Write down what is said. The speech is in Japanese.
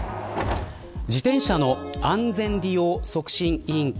自転車の安全利用促進委員会